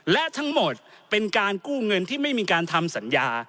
และทั้งหมดเป็นการกู้เงินที่ไม่มีการทำสัญญา